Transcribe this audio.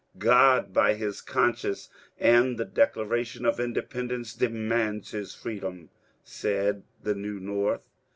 ^^ God by our conscience and the Declaration of IndependencQ demands his freedom," said the New North.